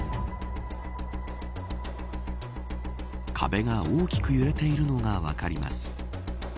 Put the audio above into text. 壁が大きく揺れているのが分かります。